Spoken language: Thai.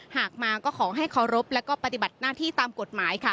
หากมาก็ขอให้เคารพและก็ปฏิบัติหน้าที่ตามกฎหมายค่ะ